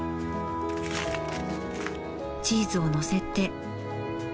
チーズを載せて。